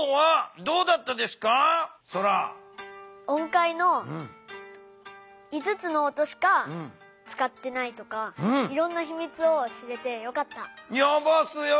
音階の５つの音しかつかってないとかいろんなひみつを知れてよかった。